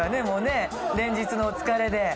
もうね連日のお疲れで。